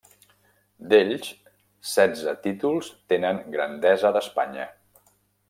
D'ells, setze títols tenen Grandesa d'Espanya.